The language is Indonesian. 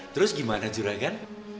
terus gimana juragan